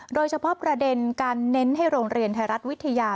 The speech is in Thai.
โดยเฉพาะประเด็นการเน้นให้โรงเรียนไทยรัฐวิทยา